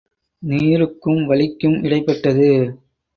நீருக்கும் வளிக்கும் இடைப்பட்டது.